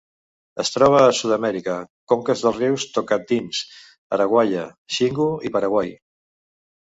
Es troba a Sud-amèrica: conques dels rius Tocantins, Araguaia, Xingu i Paraguai.